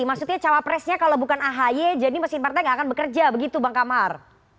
maksudnya cawapresnya kalau bukan ahy jadi mesin partai nggak akan bekerja begitu bang kamar